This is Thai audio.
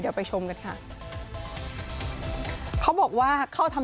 เดี๋ยวไปชมกันค่ะ